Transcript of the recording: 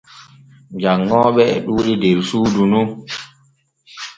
Janŋooɓe e ɗuuɗi der suudu nu.